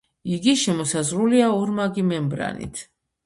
იგი შემოსაზღვრულია ორმაგი მემბრანით.